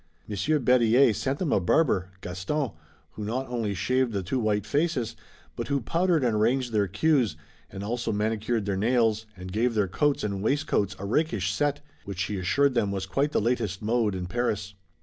Monsieur Berryer sent them a barber, Gaston, who not only shaved the two white faces, but who powdered and arranged their queues, and also manicured their nails and gave their coats and waistcoats a rakish set, which he assured them was quite the latest mode in Paris.